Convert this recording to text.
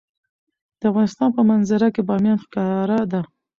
د افغانستان په منظره کې بامیان ښکاره ده.